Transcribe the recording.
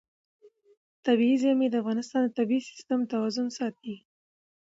طبیعي زیرمې د افغانستان د طبعي سیسټم توازن ساتي.